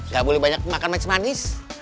gak boleh banyak makan match manis